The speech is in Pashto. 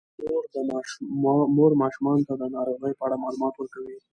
مور ماشومانو ته د ناروغیو په اړه معلومات ورکوي.